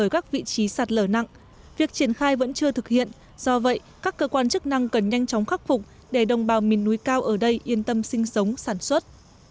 các vị trí sạt lở nặng việc triển khai vẫn chưa thực hiện do vậy các cơ quan chức năng cần nhanh chóng khắc phục để đồng bào miền núi cao ở đây yên tâm sinh sống sản xuất